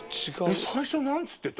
最初何つってた？